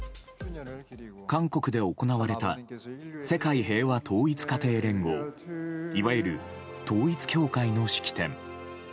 韓国で行われた世界平和統一家庭連合いわゆる統一教会の式典。